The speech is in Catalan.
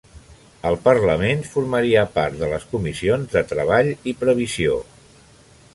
Al Parlament formaria part de les comissions de Treball i Previsió.